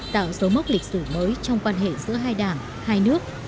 tạo dấu mốc lịch sử mới trong quan hệ giữa hai đảng hai nước